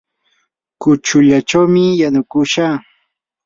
kuchullachawmi yanukushaq.